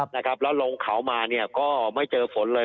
ครับนะครับแล้วลงเขามาก็ไม่เจอฝนเลย